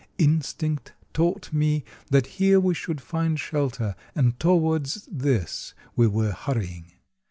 Instinct taught me that here we should find shelter, and towards this we were hurrying.